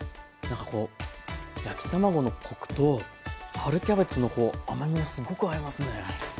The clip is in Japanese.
なんかこう焼き卵のコクと春キャベツの甘みがすごく合いますね。